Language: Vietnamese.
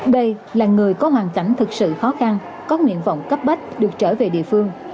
đây là người có hoàn cảnh thực sự khó khăn có nguyện vọng cấp bách được trở về địa phương